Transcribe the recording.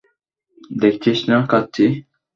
দেখছিস না খাচ্ছি?